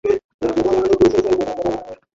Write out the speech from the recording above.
তিনি স্বাভাবিক বোলিংশৈলী উপস্থাপন করতে পারছিলেন না।